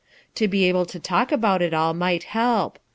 To be able to talk about it all might help.